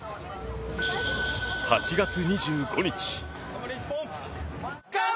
８月２５日。